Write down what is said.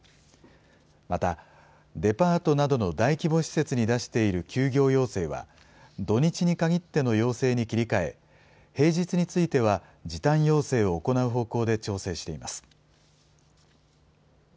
また、デパートなどの大規模施設に出している休業要請は、土日に限っての要請に切り替え、平日については時短要請を行う方向で調整しています。